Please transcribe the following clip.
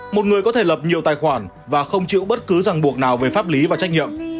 một người có thể lập nhiều tài khoản và không chịu bất cứ ràng buộc nào về pháp lý và trách nhiệm